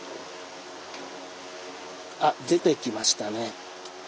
あっ出てきましたね。